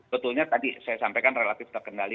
betulnya tadi saya sampaikan relatif terkendali